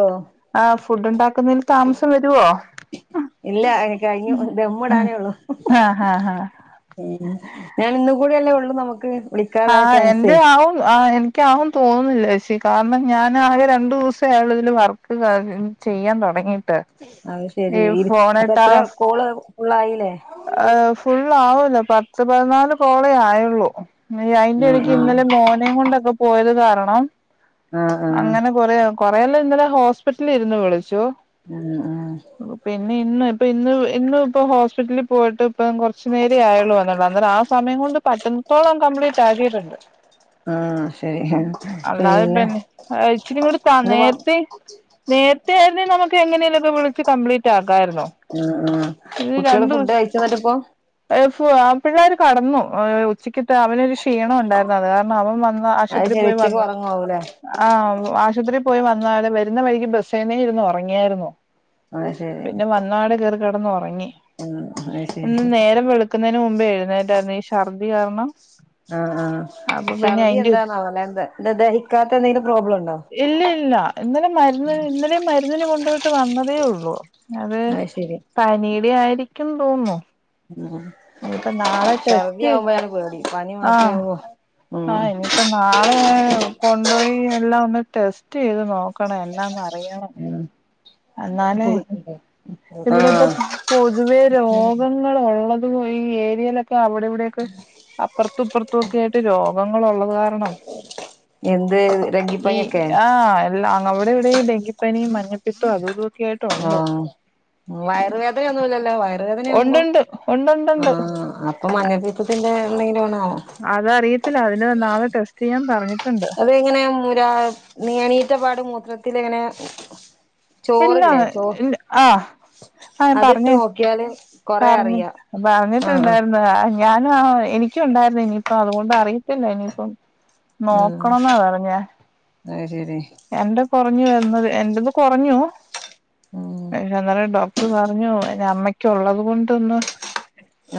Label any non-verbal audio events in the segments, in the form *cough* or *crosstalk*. ഓ ആഹ് ഫുഡ് ഉണ്ടാക്കുന്നതിൽ താമസം വര്വോ? ഇല്ല കഴിഞ്ഞു ദമ്മ് ആഹ് ഇടാനേ ഉള്ളു ആഹ് ആഹ് ഉം ഞാൻ ഇന്നും കൂടെ അല്ലേ ഒള്ളു നമുക്ക് വിളിക്കാനുള്ള ആഹ് ചാൻസേ എന്റെ ആവും ആ എന് എനിക്ക്‌ ആവും തോന്നുന്നില്ല ചേച്ചി കാരണം ഞാൻ ആകെ രണ്ടു ദിവസം ആയൊള്ളൂ ഇതിൽ വർക്ക് ചെയ്യാൻ തുടങ്ങിയിട്ട് അഹ് ശെരി അപ്പൊ എത്ര ടാസ് കോള് ഫുള്ളായില്ലേ ഫുള്ള് ആവുള്ളു പത്ത് പതിനാല് കോളേ ആയുള്ളൂ അയിന്റെ ഉം എടിക്ക് ഉം ഇന്നലെ മോനെ കൊണ്ടൊക്കെ പോയത് കാരണം ആഹ് ആഹ് അങ്ങനെ കൊറ കൊറെേല്ലാം ഇന്നലെ ഹോസ്പിറ്റലിൽ ഇരുന്ന് വിളിച്ചു ഉം ഉം പിന്നെ ഇന്ന് ഇപ്പ ഇന്ന് ഇന്ന് ഇപ്പ ഹോസ്പിറ്റലിൽ പോയിട്ട് ഇപ്പം കുറച്ചു നേരേ ആയുള്ളൂ ഞാൻ കുറച്ചുനേരം ആയുള്ളൂ വന്നിട്ട് അന്നേരം ആ സമയം കൊണ്ട് പറ്റണത്തോളം കംപ്ലീറ്റ് ആക്കിയിട്ടുണ്ട് ആഹ് ശരി അല്ലാതെ പിന്നെ ഇച്ചരി കൂടിതാ ഇത് വ നേരത്തെ നേരത്തെ ആയിന്നേ നമുക്കെ എങ്ങനെലൊക്കെ വിളച്ച് കംപ്ലീറ്റ് റ്റക്കായിരുന്നു ഉം ഉം ഇത് കുട്ടികള് രണ്ടു ഫുഡ് ദിവസ കഴിച്ചോ എന്നിട്ടിപ്പോ അഹ് ഫു അഹ് പിള്ളേര് കെടന്നു ഏഹ് ഉച്ചക്കത്തെ അവനൊരു ക്ഷീണം ഒണ്ടായിരുന്നു അത് കാരണം അവൻ വന്ന് അത് ആശുപത്രിയി ശരി പോയി ഉച്ചക്ക് വന്ന ഉറങ്ങാവൂല്ലേ ആഹ് ആശുപത്രിയിൽ പോയി വന്നെ വരുന്ന വഴിക്ക് ബെസെന്നെ ഇന്ന് ഉറങ്ങിയായിരുന്നോ അയ്ശരി ഇന്നവിടെ കേറി കിടന്നൊറങ്ങി അത് ശരി ഇന്ന് നേരം വെളു ക്കുന്നതിന് മുമ്പേ എഴുന്നേറ്റായിരുന്നു ഈ ശർദി കാരണം ആഹ് അപ്പൊ പിന്നെ ഛർദി അയിന്റെ ഒരു എന്താണാവോ ല്ലേ ദദ ദഹിക്കാത്ത എന്തെങ്കിലും പ്രോബ്ലം ഉണ്ടോ ഇല്ലില്ല ഇന്നലെ മരുന്ന് ഇന്നലെ മരുന്നിന് കൊണ്ട് പോയിട്ട് വന്നതേ ഉള്ളൂ അത് പനിയുടെ ആയിരിക്കും തോന്നുന്നു ഇനിയിപ്പ നാളെ ഛർദി ടെസ്റ്റ് ആവുമ്പഴാണ് പേടി പനി മാത്രം ആഹ് ആവുവോ ആഹ് ഇനിയിപ്പോ നാളെ കൊണ്ടുപോയി എല്ലാം ഒന്ന് ടെസ്റ്റ് ചെയ്ത് നോക്കണ എല്ലാം ഉം അന്നാലെ ഇവിടെ ഇപ്പോ പൊതുവെ രോഗങ്ങളാ ഉള്ളതും ഈ ഏരിയയിലൊക്കെ അവിടെ ഇവിടെ അപ്പുറത്തും ഇപ്പുറത്തും ഒക്കെ ആയിട്ട് രോഗങ്ങൾ ഒള്ളത് കാരണം എന്ത് ഡങ്കിപ്പനിയൊക്കെ അല്ല അവിടെ ഇവിടെ ഡെങ്കിപ്പനി മഞ്ഞപ്പിത്തും അതു ഇതു ആഹ് വയറുവേദനയൊന്നുവില്ലല്ലൊ വയ വേദനയാവുമ്പോ ഉണ്ടുണ്ട് ഉണ്ടുണ്ടുണ്ട് ആ അപ്പൊ മഞ്ഞപിത്തത്തിന്റെ എന്തെങ്കിലും ആണോ അതറിയത്തില്ല അതിന് നാളെ ടെസ്റ്റ് ചെയ്യാൻ പറഞ്ഞിട്ടുണ്ട് തെങ്ങനെ മുരാ എണീറ്റ പാടെ മൂത്രത്തില് ഇങ്ങനെ ഇല്ല ചോറില്ലേ ചോറ് ഇല്ല ആഹ് ആഹ് അതിട്ട് പറഞ്ഞ് നോക്കിയാല് കൊറേ പറഞ്ഞ് അറിയാ ആഹ് പറഞ്ഞിട്ടുണ്ടായിരുന്നു *unintelligible* ഞാനും ആ എനിക്കും ഉണ്ടായിരുന്നു ഇനിയിപ്പം അതുകൊണ്ട് അറിയത്തില്ല ഇനിയിപ്പം ആഹ് ആഹ് നോക്കണംന്നാ പറഞ്ഞേ അത് ശരി എന്റെ കുറഞ്ഞു എന്നത് എറന്ന് കുറഞ്ഞു ഉം പക്ഷെ എന്നന്നാലോ ഡോക്ടറ് പറഞ്ഞു എൻ്റെ അമ്മയ്ക്ക് ഉള്ളത് കൊണ്ട ഒന്ന്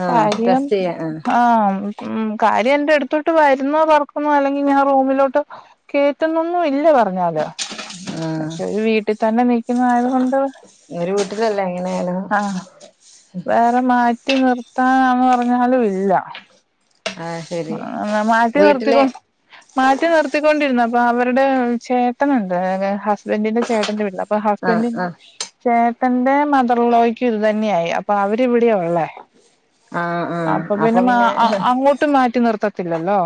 ആഹ് കാര്യം ടെസ്റ്റ് ചെയ്യാൻ ആഹ് ഉം കാര്യം എന്റെ അടുത്തോട്ട് വരുന്ന പറക്കുന്നോ അല്ലെങ്കി ഞാൻ റൂമിലോട്ട് കേട്ടന്നൊന്നും ഇല്ല പറഞ്ഞാല് ആഹ് ആഹ് പക്ഷെ ഒരു വീട്ടി തന്നെ നിക്കുന്ന ആയത് കൊണ്ട് ഒരു വീട്ടിലല്ലേ എങ്ങനെയാലും ആഹ് വേറെ മാറ്റി നിർത്താനാന്ന് പറഞ്ഞാലും ഇല്ല ആഹ് ശരി ആന്ന മാറ്റി വീട്ടിലെ നിർത്തിക്കൊണ്ട് മാറ്റി നിർത്തിക്കൊണ്ടിരുന്നു അപ്പൊ അവരുടെ ചേട്ടനുണ്ട് ഹസ്ബന്റിന്റെ ചേട്ടന്റെ വീട്ടില അപ്പൊ ആഹ് ഹസ്ബൻഡിന്റെ ആഹ് ചേട്ടന്റെ മദർ ലോയ്ക്കും ഇത് തന്നെയ ആായി അപ്പൊ അവരിവിടെയ ഉള്ളേ അപ്പൊ പിന്നെ മാ അങ്ങോട്ടും മാറ്റി നിർത്തത്തില്ലല്ലോ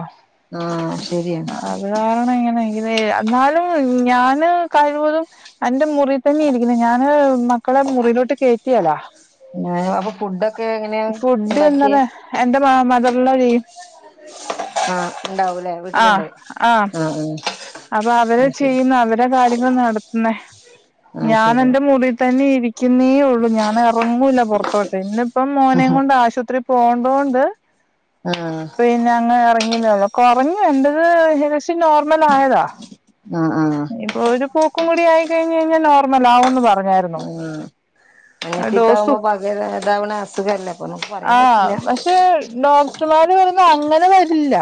ആഹ് ശരിയാണ് അഹ് കാരണം എങ്ങനെങ്കി എന്നാലും ഞാന് കഴിവതും അന്റെ മുറി തന്നെ ഇരിക്കുന്നു ഞാന് മക്കളെ മുറിയിലോട്ട് കേയറ്റിയലാ ഞാനും അപ്പൊ ഫുഡൊക്കെ എങ്ങനെയാ ഉണ്ടാക്കിയെ എൻ്റെ മതർൻ ലോ ചെയ്യും ആഹ്ഉണ്ടാവൂല്ലേ ആ വീട്ടില്ണ്ട് ആ ഉം അപ്പൊ അവര് ചെയ്യുന്ന അവരെ കാര്യങ്ങൾ നടത്തുന്ന ആഹ് ഞാൻ ശരി എറെ റൂമിൽ തന്നെ ഇരിക്കുന്നെ ഉള്ളു ഞാൻ എറങ്ങൂല പുറത്ത് പോട്ടെ ഇന്ന് ഇപ്പം മോനേം ആഹ് കൊണ്ട് ആശുപത്രി പോകണ്ട കൊണ്ട് ആഹ് പിന്നെ അങ്ങ് ഇറങ്ങിയ്ന്നേള്ളോ കൊറഞ്ഞു എണ്ടത് എദേശി നോർമല് ആയതാ ആഹ് ആഹ് ഇപ്പൊ ഒരു പോക്കും കൂടി ആയി കഴിഞ്ഞ് കഴിഞ്ഞാൽ നോർമൽ ആവൂന്ന് പറഞ്ഞായിരുന്നു. ഉം ഡോസു മഞ്ഞപ്പീത്താവുമ്പോ പകരതാവണ അസുഖല്ലേ അപ്പൊ നമുക്ക് പറയാൻ ആഹ് പറ്റില്ല പക്ഷെ ക്കവാനു പറയ്ന്നെ അങ്ങനെ വരില്ല.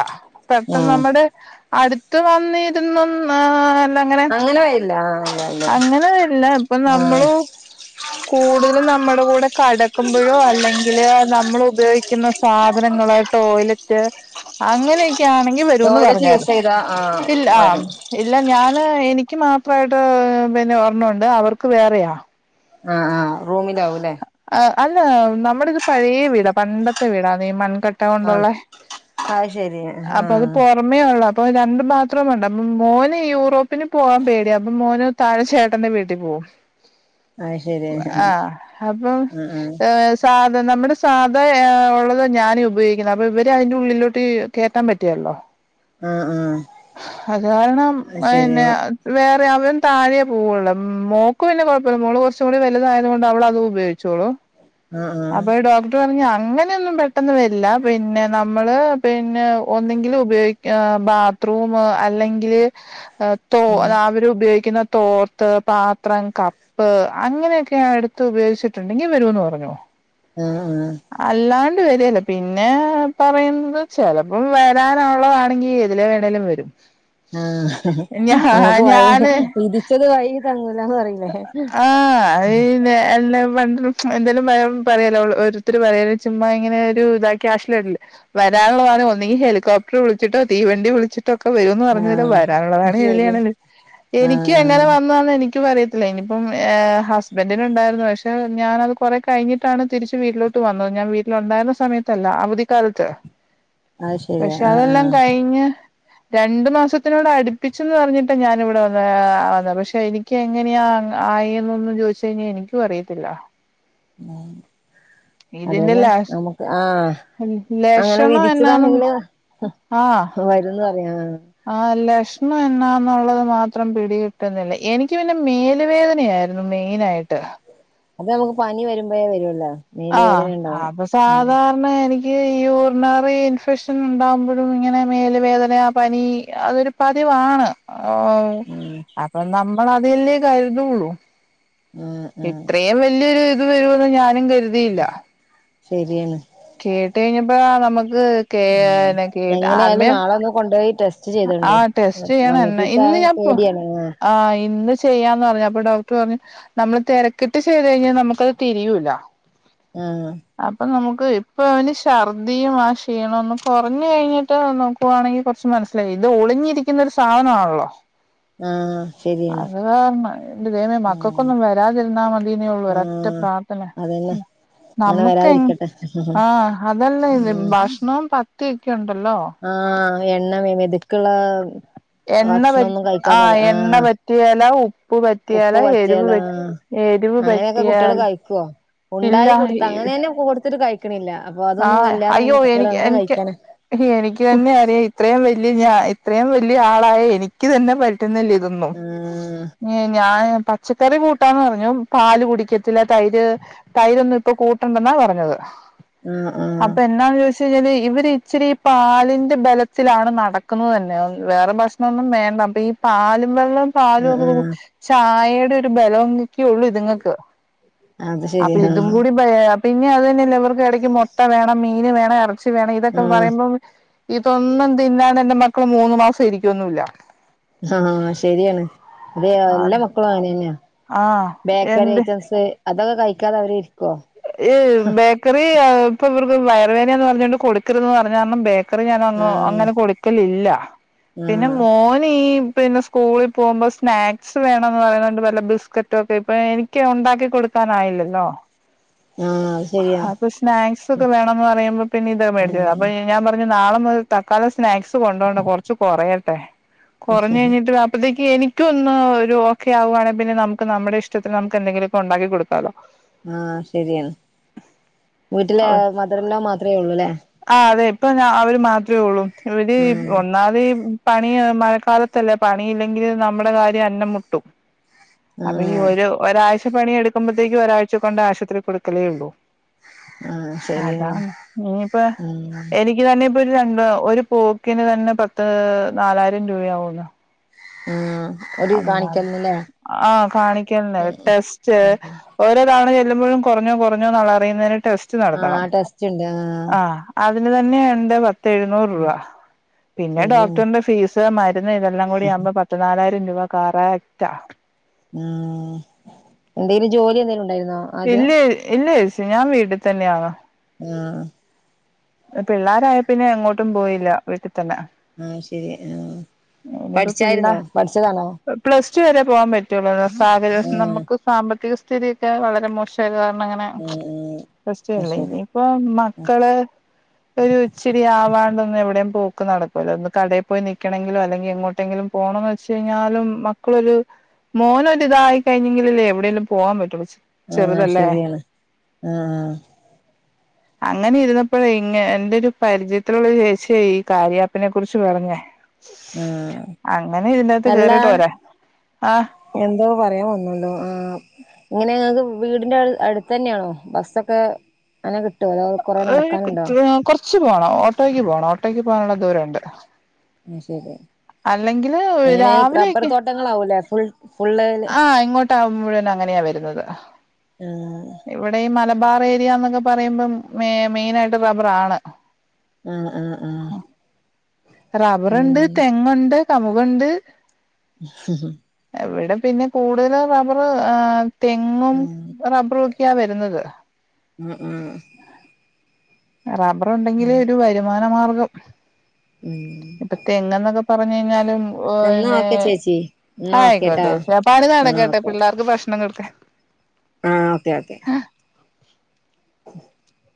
പെട്ടന്ന് ഉം നമ്മടെ അടുത്ത് വന്നിരുന്നൊന്നാൽ അങ്ങനെ വരില്ല ആഹ് ഇല്ല ഇല്ല അങ്ങനെ ഇല്ല ഇപ്പൊ നമ്മള ഉം കൂടുതലും നമ്മുടെ കൂടെ കടക്കുമ്പോഴോ അല്ലെങ്കിൽ നമ്മൾ ഉപയോഗിക്കുന്ന സാധനങ്ങളോ ടോയ്ലറ്റ് അങ്ങനെയൊക്കെ ആണെങ്കി വരൂന്ന് ടോയ്ലറ്റ് പറഞ്ഞത് യൂസ് ചെയ്താ ആഹ് ഇല്ല ആഹ് വരും ഇല്ല ഞാന് എനിക്ക് മാത്രമായിട്ട് പിന്നെ ഒരെണ്ണം ഉണ്ട് അവർക്ക് വേറെയാ ആഹ്ആഹ് റൂമില് ആവും ലെ ആഹ് അല്ല നമ്മുടെ ഇത് പഴയ വീടാ പണ്ടത്തെ വീടാ മൺകട്ട ആഹ് കൊണ്ടുള്ള ആ് യ്ശരി ആഹ് *unintelligible* ഉള്ളൂ അപ്പൊ രണ്ട് ബാത്രറൂമുണ്ട് അപ്പൊ മോന് യൂറോപ്പിന് പോകാൻ പേടിയ അപ്പൊ മോന താഴെ ചേട്ടന്റെ വീട്ടി പോകും അത് ശരി ആഹ് ആഹ അപ്പം ആഹ് ഏ സാധ നമ്മുടെ സാധ ഉള്ളത് ഞാനൻ ഉപയോഗിക്കുന്നത് അപ്പൊ ഇവര് അതിറെ ഉള്ളിലോട്ട് കേയറ്റാൻ പറ്റിയല്ലോ ആഹ് ആഹ് അത് കാരണം അത് ശരി പിന്നെ ആഹ് വേറെ അവൻ താഴെയെ പോവുള്ളൂ മോൾക്ക് പിന്നെ കൊഴപ്പമില്ല മോള് കുറച്ചും കൂടി വ ണ്ട് അവത് ഉപയോഗിച്ചോളൂ ആഹ് അപ്പോ ഡ അങ്ങനെയൊന്നും പെട്ടെന്ന് വരില്ല പിന്നെ നമ്മള് പിന്നെ ഒന്നെങ്കിലും ഉപയോഗിക്യ ഭാ ബാത്രൂമ് അല്ലെങ്കിൽ തോ ഉം അവർ ഉപയോഗിക്കുന്ന തോ ത്ത് പാത്രം കപ്പ് അങ്ങനെയൊക്കെ ഞാൻ എടുത്ത് ഉപയോഗിച്ചിട്ടുണ്ട് ഇനീം വെരുമന്ന് പറഞ്ഞോ ഏഹേ അല്ലാണ്ട് വരില്ല പിന്നെ പറയുന്നത് ചെിലപ്പം വരാനുള്ളതാണെങ്കിൽ അതിലേ വേണമേലും വരും ആഹ് ഞാ നമുക്ക് വക ഞാന് ഇതിച്ചത് വൈകി തങ്ങൂലന്ന് പറയും ആഹ് അത് പണ്ടും എന്തായാലുംയാം പറയലോ ഒരുത്തർ പറയല്ലോ ചുമ്മാ ഇങ്ങനെ ഒരു ഇതാക്ക ക്യാഷില് വരില്ല വരാനിള്ളതാണെ ഒന്നുകിൽ ഹെലികോപ്റ്ററ് വിളിച്ചിട്ടോ തീവണ്ടി വിളിച്ചി ഒക്കെ വരുംന്ന് പറഞ്ഞരെ ആഹ് വരാനുള്ളതാണ് അത് ശരി ഇതിലണ എനിക്ക് എങ്ങനെ ആഹ് വന്നതാന്ന് എനിക്ക് പറയ ഇല്ല ഇനിയിപ്പം ഹസ്ബന്റിന് ഉണ്ടായിരുന്നു പക്ഷെ ഞാന് അത് കുറേ കഴിഞ്ഞിട്ടാണ് തിരിച്ച് വീട്ടിലോ ണ്ടുംവന്നു ഞാൻ വീട്ടിൽ ഉണ്ടായിരുന്ന സമയത്ത് അല്ല അവധി കാലത്ത് അത് ശരി പക്ഷെ ആഹ് അതെല്ലാം ആഹ് കഴിഞ്ഞ് രണ്ടു മാസത്തിനേട്അടുപ്പിച്ചന്ന് പറഞ്ഞിട്ടാ ഞാനിവിടെ വന്നത് പക്ഷെ എനിക്ക് അങ്ങനെയാ ആയി എന്നൊന്നും ചോദിച്ച കഴിഞ്ഞാ എനിക്കും അറിയത്തില്ല മം ഇതിന്റെ അതന്നെ ലക്ഷ നമുക്ക് ആഹ് അങ്ങനെ ലക്ഷണം എന്നാന്ന് വിധിച്ചതാണെങ്കില് ആഹ് വരന്ന് പറയാ ആഹ് ലക്ഷണം എന്നാന്നുള്ളത് മാത്രം പിടികിട്ടുന്നില്ലേ എനിക്ക് പിന്നെ മമേലുവേദനയായിരുന്നു ന്ന് മെയിനാ ആയിട്ട് അപ്പൊ നമുക്ക് പനി വരുമ്പോഴേ വരുല്ലോ ആഹ് അപ്പൊ സാധാ എനിക്ക് യൂറിനറി ഇൻഫെക്ഷൻ ഉണ്ടാകുമ്പോഴും ഇങ്ങനെ മേല് വേദന പനി അതൊരു അപ്പ പതിവാണ് ഉം അപ്പൊ നമ്മൾ അതില്ലേ കരുതുള്ളൂ ഉം ഉം ഇത്രയും വലിയൊരു ഇത് വരുന്ന് ഞാനും കരുതിയില്ല ശരിയാണ് കേട്ട് കഴിഞ്ഞപ്പോ നമുക്ക് ഉം എങ്ങനെയായാലും നാളെ ഒന്ന് കൊണ്ടുപോയി ടെസ്റ്റ് ചെയ്തോണ്ടേ *unintelligible* ടെസ്റ്റ്ചെയ്യണം ന്നെ മഞ്ഞപ്പീത്ത ഇന്ന് ഞാ പോ പേടിയാണ് ആഹ് ഇന്ന് ചെയ്യാന്ന് പറഞ്ഞ്. അപ്പൊ ഡോക്ടർ പറഞ്ഞ്, നമ്മള് തെരക്കിട്ട് ചെയ്ത് കഴിഞ്ഞാ നമ്മക്കത് തിരിയൂല്ല. ആഹ് അപ്പൊ നമുക്ക് ഇപ്പൊ അവന് ശ ർദിയും ആ ക്ഷീണം ഒന്ന് കുറഞ്ഞു കഴിഞ്ഞിട്ട് നോ പ്പോ വാണെങ്കിൽ കുറച്ച് മനസ്സിലായി ഇത് ഒളിഞ്ഞിരിക്കുന്ന ഒരു സാധനമാണല്ലോ ആഹ് ശരിയാണ് അത് കാരണം എന്റെ ദൈവമേ ഉം മക്കൾക്കൊന്നും വരാതിരുന്നാ മതീന്നൊള്ള ഒറ്റ ആഹ് പ്രാർത്ഥന അതന്നെ അങ്ങനെ നമക്ക് എ വരാതിരിക്കട്ടെ ആഹ് അതല്ല ഇത് ഉം ഭക്ഷണവും പത്ത്യക്കെ ഉണ്ടല്ലോ ആഹ് എണ്ണമെത്ക്ക്ള്ളേ ഭക്ഷണം ഒന്നും കഴിക്കാൻ പടില്ല ആഹ് പറ്റിഏലാ ഉപ്പ് ഉപ്പ് പറ്റിഏലാ എരിവ് പറ്റിയാല പറ്റി ആഹ് എരിവ് അങ്ങനെയൊക്കെ പറ്റി കുട്ടികള് ഏല കഴിക്കുവോ ഉണ്ടായി കൊടുത്ത അങ്ങനെ തന്നെ കൊടുത്ത്ട്ട് കഴിക്കു കഴിക്ക്ണില്ല അപ്പൊ ആ അതൊന്നും ഇല്ലാതെ അയ്യോ അങ്ങനെ കുട്ടോള് എനിക്ക് എങ്ങനെ എനിക്ക് കഴിക്കാന എനിക്ക് തന്നെ അറിയാം ഇത്രയും വല്യ ഞ ഇത്രയും വല്ല്യ ആളായ എനിക്ക് തന്നെ പറ്റു ന്നില്ല ഇതൊന്നും ആഹ് ഞാൻ പച്ചക്കറി കൂട്ടാന്ന് പറഞ്ഞു പാല് കുടിക്കത്തില്ല തൈര് തൈരൊന്നും ഇപ്പൊ കൂട്ടണ്ടെന്നാ പറഞ്ഞത് ആ അപ്പൊ എന്താന്ന് ചോദി പക്ഷെല് ഇവർ ഇച്ചിരി ഈ പാലിന്റെ ബലത്തിലാണ് നടക്കുന്നത് തന്നെ വേറെ ഭക്ഷണംമൊന്നും വേണ്ട അപ്പ ഈ പാലും വെള്ളം പാലും ആഹ് ഒക്കെ ആഹ് ചായയുടെ ഒരു ബലവും കി ക്കെള്ളൂ ഇത്ങ്ങക്ക് അത് ശരി അപ്പൊ ഇതും ആഹ് കൂടി പേയ പിന്നെ അതെന്നല്ല ഇവർക്കിട എനിക്ക് മുട്ട വേണം മീൻ വേണം ഇറച്ചി വേണം ഇതൊക്കെ ആഹ് പറയുമ്പോ ഇതൊന്നും തിന്നാ ണ്ട് എന്റെ മക്കള് മൂന്നു മാസം ഇരിക്കോ ന്നുംല്ല ആഹ ശരിയാണ് അത് എല്ലാ മക്കളും അങ്ങനെന്നെയാ ആ ബേക്കറി എന്ത് ഐറ്റംസ്. അതൊക്കെ കഴിക്കാതെ അവര് ഇരിക്കോ ഈ ബേക്കറി ഇപ്പ ഇവർക്ക് വയറവേദനയെന്ന് പറഞ്ഞകൊണ്ട് കൊടുക്കരുതെന്ന് പറഞ്ഞ കാരണം ബേക്കറി ഞാൻ ആഹ് അങ്ങനെ കൊടു ക്കലില്ല പിന്നെ ആഹ് മോന് ഈ പിന്നെ സ്കൂളിൽ പോകുമ്പോൾ സ്നാക്സ് വേണ എന്ന് പറയണ്ട് വല്ല ബിസ്ക്കറ്റ് ഒക്കെ ഇപ്പൊ എനിക്ക് ഉണ്ടാക്കി കൊടുക്കാനായില്ലല്ലോ ആഹ് ശരിയാ അപ്പൊ സ്നാക്സ് ഒക്കെ വേണോ ന്ന് പറയുമ്പോ പിന്നെ ഇത മേടിച്ചതത് ഉം അപ്പൊ ഞാൻ പറഞ്ഞു നാളെ മുതൽ തക്കാലം സ്നാക്സ് കൊണ്ടോണ്ട കൊറച്ച് കൊറയട്ടെ കുറഞ്ഞ ഴിഞ്ഞിട്ട് അപ്പത്തേക്ക് എനിക്ക് ക്ക് ഒന്ന് ഒരു ഓക്കെ ആകുവാണെ പിന്നെ നമുക്ക് നമ്മുടെ ഇഷ്ടത്തിന് നമുക്ക് എന്തെങ്കിലുമൊക്കെ ഉണ്ടാക്കി കൊടുക്കാലോ ആഹ ശരിയാണ് വീട്ടിലെ മദർഇൻലോ മാത്രമേ ഉള്ളൂ ല്ലേ ആ അതെ ഇപ്പൊ ഞാ അവര് മാത്രമേ ഉള്ളൂ ഇവര് ഉം ഒ ഒന്നാമത് പണി മഴക്കാലത്തല്ലേ പണിയില്ലെങ്കില് നമ്മുടെ കാര്യം അന്നം മുട്ടും അപ്പൊ ഈ ആഹ് ഒരു ഒരാഴ്ച പണിയ എടുക്കുമ്പോത്തേക്കും ഒരാഴ്ച കൊണ്ട് ആശുപത്രി കൊടുക്കലേ ഉള്ളൂ ആഹ് ശരിയാണ് അതാണ് നീ യിപ്പം ഉം എനിക്ക് എനിക്ക് തന്നെപ്പൊ രണ്ട് ഒരു പോക്കിന് തന്നെ പത്ത് നാലായിരം രൂപയാവുംന്ന് ആഹ അ ആഹ കാണിക്കേണ്ടെ ടെസ്റ്റ് ഓരോ തവണ ചെല്ലുമ്പോഴും കുറഞ്ഞോ, കുറഞ്ഞോ എന്നു അറിയുന്നതിന് ടെസ്റ്റ് നടത്തണം. ആഹ് ടെസ്റ്റ് ഉണ്ട് ആഹ് അതിന് തന്നെയൊ ണ്ട് പത്ത് എഴുന്നൂറ് രൂപ പിന്നെ ശരിയാണ് ഡോക്ടറിന്റെ ഫീസ് *unintelligible* മരുന്ന് ഇതെല്ലാം കൂടി ആവുമ്പോ പത്ത് നാലായിരം രൂപ കറക്റ്റാ ഉം എന്തേലും ജോലി എന്തേലും ഉണ്ടായിരുന്നാ ഇല്ല ഇല്ല യേ ച്ചി ഞാൻ വീട്ടിൽ തന്നെയാണ് ആഹ് പിള്ളാരായേ പിന്നെ എങ്ങോട്ടും പോയില്ല വീട്ടിൽ തന്നെ ആ ശരി ആ പഠിച്ചായിരുന്നോ പഠിച്ചതാണോ പ്ലസ്ടു വരെ പോകാൻ പറ്റിയൊള്ളല്ലോ. സാഹചര്യ ആഹ് നമുക്ക് സാമ്പത്തിക സ്ഥിതിയൊക്കെ വളരെ മോശ് ചിലര് കാരണം ഇങ്ങനെ ആഹ് റെ ആഹ് അത് സ്റ്റല്ലേ ശരി ഇനി ഇപ്പൊ മക്കള് ഒരു ഇച്ചിരി ആവാണ്ടെന്നും എവിടെയും പോക്ക് നടക്കൂല ഒന്ന് കടയിൽ പോയി നൽക്കണെങ്കിലും അല്ലെങ്കിൽ എങ്ങോട്ടെങ്കിലും പോണംന്ന് വെച്ച് കഴിഞ്ഞാലും മക്കളൊരു മോൻ ഒരിതായി കഴിഞ്ഞെങ്കിലല്ലേ എവിടെയേലും പോവാൻ പറ്റോളിച്ച് ആഹ ശരിയാണ് ആഹ ആ അങ്ങനെ ഇരുന്ന ഇപ്പഴ ഇങ്ങ എന്റെ ഒരു പരിചയത്തിലുള്ള ചേച്ചിയാ ഈ കാര്യാപ്പിനെ കുറിച്ച് പറഞ്ഞെ ആഹ് അങ്ങനെ ഇതിന്റെകത്ത് അല്ല കേറിട്ട് പോരെ ആ എന്തോ പറയാൻ വന്നല്ലോ ആ ഇങ്ങനെ ങ്ങക്ക് വീടിന്റെ അടുത്ത് തന്നെയാണോ ബസ്സൊക്കെ അങ്ങനെ കിട്ടൊ അതൊ കുറച്ച് പോണം ഓട്ടോയ്ക്ക് പോണം ഓട്ടോയ്ക്ക് പോകാനു ള്ള ദൂരം ഉണ്ട് ആത് ശരി. എങ്ങനെ റബ്ബർ രാവിലെയൊക്കെ തോട്ടങ്ങളാവൂല്ലേ ഫുൾ ഫുള്ളയ്ല് ട്ടം മുഴുവൻ അങ്ങനെയാ വരുന്നത് ആ ഇവിടെ ഈ മലബാർ ഏരിയ എന്നൊക്കെ പറയുമ്പം മെ മെയിന ആയിട്ട് റബ്ബർ ആണ് ആഹ ആഹ് ആഹ് ഉം റബ്ബറുണ്ട് ആഹ് തെങ്ങുണ്ട് കമുകുണ്ട് ഹ *unintelligible* എവിടെ പിന്നെ കൂടുതല റബ്ബർ ആ തെങ്ങും റബ്ബറും ഒക്കെയാ വരുന്നത് ഉം ഉം റബ്ബറുണ്ടെങ്കില് ഒരു വരുമാന മാർഗം ഉം ഇപ്പ തെ ങ്ങന്നൊക്കെ പറഞ്ഞു ഞ്ഞ ഴിഞ്ഞാലും എന്നാ ഓലെ ഓക്കെ ചേച്ചി എന്നാ ഓക്കേട്ടോ ആയിക്കോട്ടെ പണി ആ നടക്കട്ടെ ഓക്കെ പിള്ളേർക്ക് ഭക്ഷണം കൊടുക്ക് ആ അതെ അതെ *inaudible*